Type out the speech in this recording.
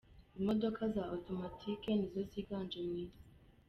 Imodoka za automatic nizo ziganje mu isi.